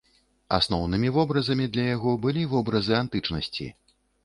Асноўнымі вобразамі для яго былі вобразы антычнасці.